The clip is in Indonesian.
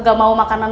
kayak macam ini